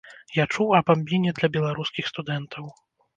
Я чуў аб абмене для беларускіх студэнтаў.